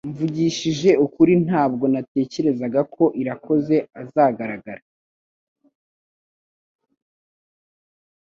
Mvugishije ukuri ntabwo natekerezaga ko Irakoze azagaragara